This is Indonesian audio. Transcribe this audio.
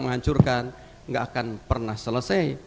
menghancurkan nggak akan pernah selesai